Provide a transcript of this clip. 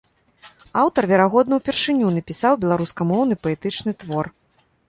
Аўтар верагодна ўпершыню напісаў беларускамоўны паэтычны твор.